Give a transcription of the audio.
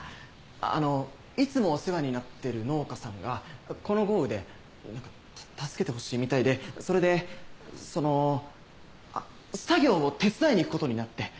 あのいつもお世話になってる農家さんがこの豪雨で何か助けてほしいみたいでそれでその作業を手伝いに行くことになって。